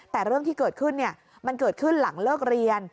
แต่เรื่องที่เกิดขึ้นมันเกิดขึ้นหลังเลิกเรียน